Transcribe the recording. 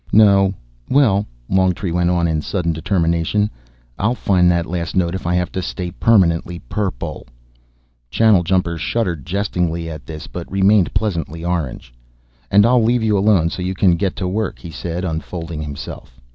"No. Well," Longtree went on in sudden determination, "I'll find that last note if I have to stay permanently purple." Channeljumper shuddered jestingly at this but remained pleasantly orange. "And I'll leave you alone so you can get to work," he said, unfolding himself.